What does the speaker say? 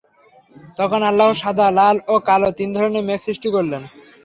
তখন আল্লাহ সাদা, লাল ও কাল তিন ধরনের মেঘ সৃষ্টি করলেন।